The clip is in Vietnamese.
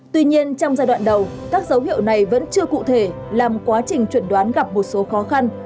tuy nhiên trong giai đoạn đầu các dấu hiệu này vẫn chưa cụ thể làm quá trình chuẩn đoán gặp một số khó khăn